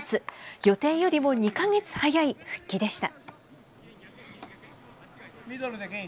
予定よりも２か月早い復帰でした。